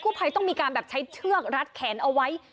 ภัยต้องมีการแบบใช้เชือกรัดแขนเอาไว้